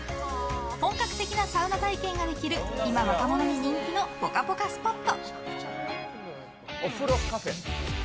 本格的なサウナ体験できる今、若者に人気のぽかぽかスポット。